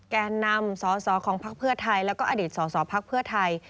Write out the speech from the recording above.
แกนนำสสของพักเพื่อไทยแล้วก็อดีตสอสอภักดิ์เพื่อไทย